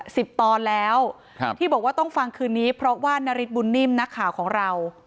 ตอนแล้วครับที่บอกว่าต้องฟังคืนนี้เพราะว่านาริสบุญนิ่มนักข่าวของเรา